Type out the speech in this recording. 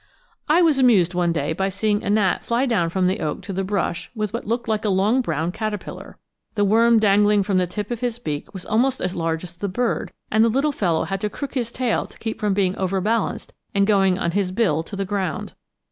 I was amused one day by seeing a gnat fly down from the oak to the brush with what looked like a long brown caterpillar. The worm dangling from the tip of his beak was almost as large as the bird, and the little fellow had to crook his tail to keep from being overbalanced and going on his bill to the ground.